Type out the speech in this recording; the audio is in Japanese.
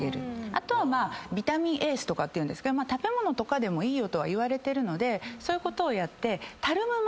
あとビタミンエースというんですけど食べ物でもいいといわれてるのでそういうことをやって。